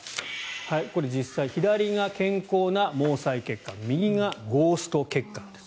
これは実際左が健康な毛細血管右がゴースト血管です。